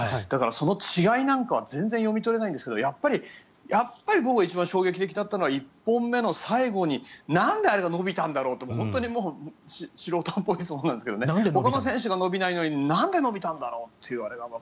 だからその違いなんかは全然読み取れないんですがやっぱり僕が一番衝撃的だったのは１本目の最後になんであれが伸びたんだろうと素人っぽいんですけどねほかの選手が伸びないのになんで伸びたんだろうと。